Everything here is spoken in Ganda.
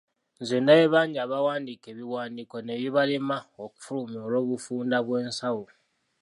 Nze ndabye bangi abawandiika, ebiwandiiko ne bibalema okufulumya olw'obufunda bw'ensawo!